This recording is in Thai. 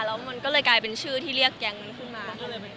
แล้วมันก็เลยกลายเป็นชื่อที่เรียกแก๊งนั้นขึ้นมา